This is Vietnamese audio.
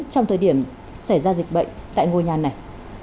trong thời điểm xảy ra dịch bệnh tại ngôi nhà này